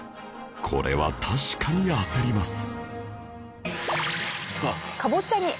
これは確かに焦ります